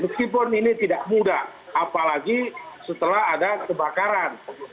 meskipun ini tidak mudah apalagi setelah ada kebakaran